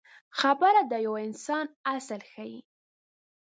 خبره د یو انسان اصل ښيي.